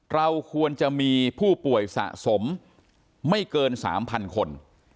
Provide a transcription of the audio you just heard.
เราควรจะมีผู้ป่วยสะสมไม่เกิน๓๐๐คน